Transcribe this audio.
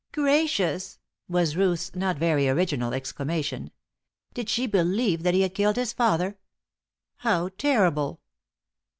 "Gracious!" was Ruth's not very original exclamation. "Did she believe that he had killed his father? How terrible!"